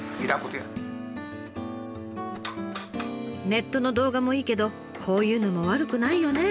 ネットの動画もいいけどこういうのも悪くないよね？